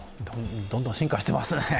どんどん進化していますね。